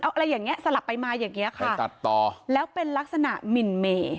อะไรอย่างเงี้สลับไปมาอย่างเงี้ค่ะไปตัดต่อแล้วเป็นลักษณะหมินเม